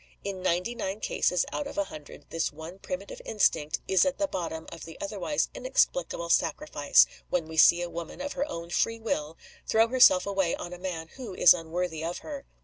In ninety nine cases out of a hundred this one primitive instinct is at the bottom of the otherwise inexplicable sacrifice, when we see a woman, of her own free will, throw herself away on a man who is unworthy of her.